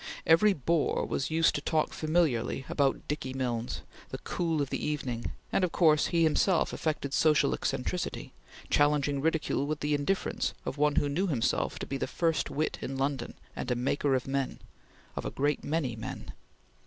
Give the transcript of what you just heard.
Every bore was used to talk familiarly about "Dicky Milnes," the "cool of the evening"; and of course he himself affected social eccentricity, challenging ridicule with the indifference of one who knew himself to be the first wit in London, and a maker of men of a great many men.